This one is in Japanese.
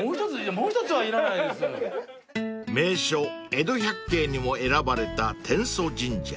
［『名所江戸百景』にも選ばれた天祖神社］